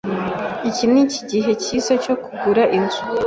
Iki nikigihe cyiza cyo kugura inzu?